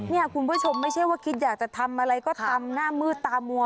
เนี่ยคุณผู้ชมไม่ใช่ว่าคิดอยากจะทำอะไรก็ทำหน้ามืดตามัว